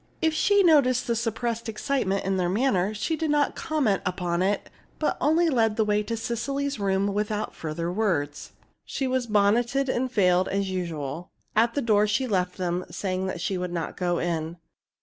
If she noticed the suppressed excitement in their manner, she did not comment upon it, but only led the way to Cecily's room without further words. She was bonneted and veiled as usual. At the door she left them, saying she would not go in.